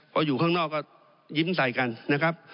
พออยู่ข้างนอกก็ยิ้มใส่กันนะครับ